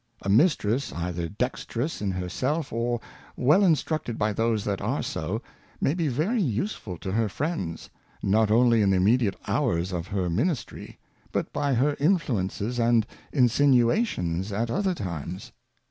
A Mistress either dexterous in her self, or well instructed by those that are so, may be very useful to her Friends, not only in the immediate Hours of her Ministry, but by her Influences and Insinuations at other times.